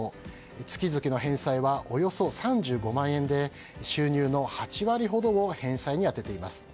月々の返済はおよそ３５万円で収入の８割ほどを返済に充てています。